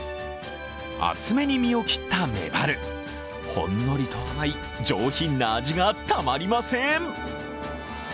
厚めに身を切ったメバル、ほんのりと甘い上品な味がたまりません。